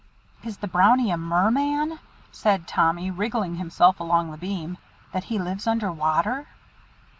"Is the Brownie a merman," said Tommy, wriggling himself along the beam, "that he lives under water?"